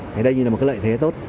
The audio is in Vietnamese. thì đây như là một cái lợi thế tốt